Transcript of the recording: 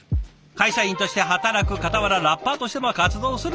会社員として働くかたわらラッパーとしても活動するＪＥＶＡさん。